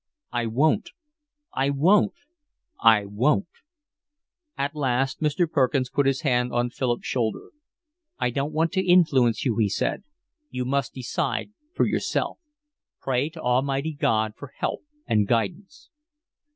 "I won't. I won't. I won't." At last Mr. Perkins put his hand on Philip's shoulder. "I don't want to influence you," he said. "You must decide for yourself. Pray to Almighty God for help and guidance."